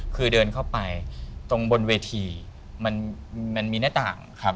คือเดินเข้าไปตรงบนเวทีมันมีหน้าต่างครับ